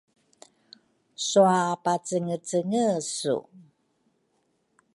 Swapacengecenge su